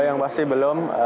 yang pasti belum